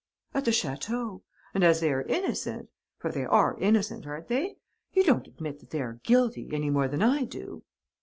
"At the château. And, as they are innocent.... For they are innocent, aren't they? You don't admit that they are guilty, any more than I do?"